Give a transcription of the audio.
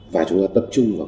và chúng ta tập trung vào